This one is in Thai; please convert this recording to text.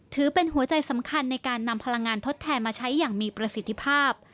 ถือเป็นหัวใจสำคัญในการนำพลังงานทดแทนมาใช้อย่างมีประสิทธิภาพ